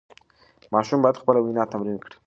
ماشوم باید خپله وینا تمرین کړي.